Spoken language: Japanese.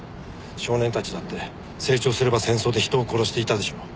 少年たちだって成長すれば戦争で人を殺していたでしょう。